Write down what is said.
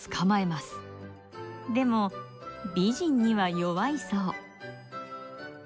でも美人には弱いそう。